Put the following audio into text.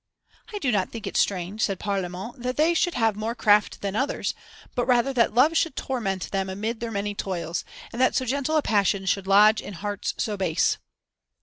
"I do not think it strange," said Parlamente, "that they should have more craft than others, but rather that love should torment them amid their many toils, and that so gentle a passion should lodge in hearts so base."